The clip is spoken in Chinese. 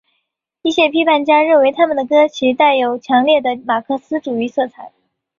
一些批评家认为他们的歌其带有强烈的马克思主义色彩。